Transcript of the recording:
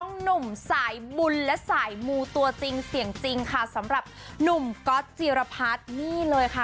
หนุ่มสายบุญและสายมูตัวจริงเสียงจริงค่ะสำหรับหนุ่มก๊อตจิรพัฒน์นี่เลยค่ะ